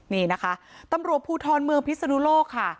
นี่นะคะตำรวจภูทรเมืองพิศนุโลกค่ะ